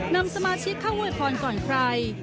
นำสมาชิกเข้าอวยพรก่อนใคร